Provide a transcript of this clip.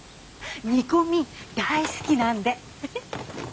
煮込み大好きなんで。